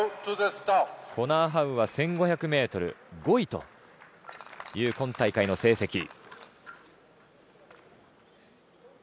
コナー・ハウは１５００ｍ５位という今大会の成績。